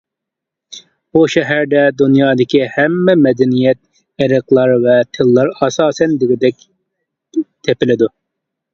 بۇ شەھەردە دۇنيادىكى ھەممە مەدەنىيەت، ئېرىقلار ۋە تىللار ئاساسەن دېگۈدەك تېپىلىدۇ.